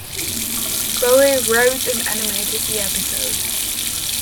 Boe wrote and animated the episode.